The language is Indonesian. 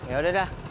ya udah dah